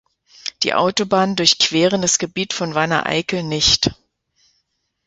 Die Autobahnen durchqueren das Gebiet von Wanne-Eickel nicht.